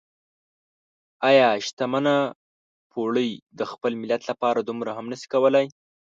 ايا شتمنه پوړۍ د خپل ملت لپاره دومره هم نشي کولای؟